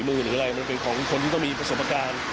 มันเป็นของคนที่ต้องมีประสบการณ์